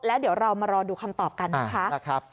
แล้วเดี๋ยวเรามารอดูคำตอบกันนะคะ